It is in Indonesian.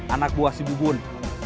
anak buah si bubun